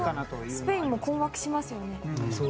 スペインも困惑しますよね。